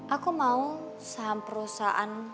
aku mau saham perusahaan